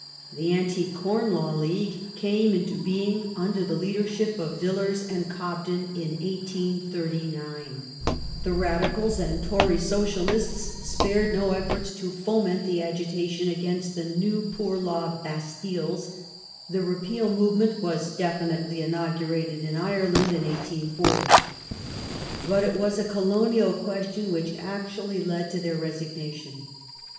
The Anti Corn Law League came into being under the leadership of Villiei s and Cobden in 1839 ; the Radicals and Tory Socialists spared no efforts to foment the agitation against the new Poor Law " Bastilles "; the repeal movement was definitely inaugurated in Ireland in 1840. > But it was a Colonial question which actually led to their resigna tion.